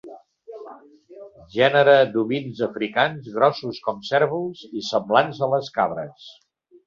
Gènere d'ovins africans grossos com cérvols i semblants a les cabres.